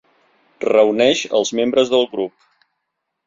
Reuneix els membres del grup.